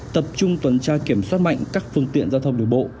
tập trung tuần tra kiểm soát mạnh các phương tiện giao thông đường bộ